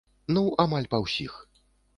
Ну, амаль па ўсіх.